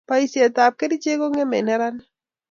paisiet ap kerichek ko ngemei neranik